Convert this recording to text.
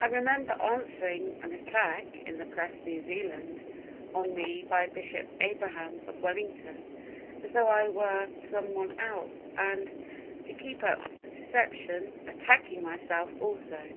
"I remember answering an attack (in the Press, New Zealand) on me by Bishop Abraham, of Wellington, as though I were someone else, and, to keep up the deception, attacking myself also.